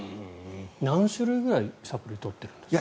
何種類ぐらいサプリを取ってるんですか？